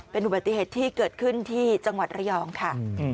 เป็นอุบัติเหตุที่เกิดขึ้นที่จังหวัดระยองค่ะ